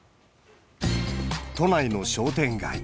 都内の商店街。